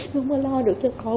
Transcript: không có lo được cho con